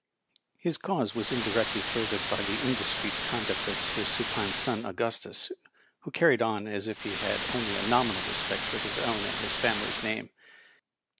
His cause was indirectly furthered by the indiscreet conduct of Sir Supine's son Augustus, who carried on as if he had only a nominal respect for his own and his family's name.